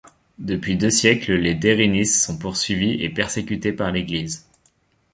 Depuis deux siècles les Derynis sont poursuivis et persécutés par l'Église.